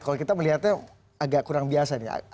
kalau kita melihatnya agak kurang biasa nih